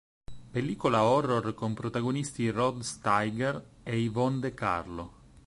Pellicola horror con protagonisti Rod Steiger e Yvonne De Carlo.